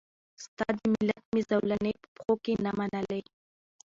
ستا د مالت مي زولنې په پښو کي نه منلې